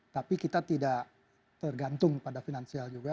tapi kita tidak tergantung pada finansial juga